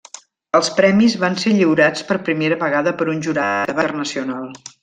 Els premis van ser lliurats per primera vegada per un jurat internacional.